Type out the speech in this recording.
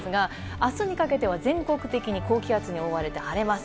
明日にかけては全国的に高気圧に覆われて晴れます。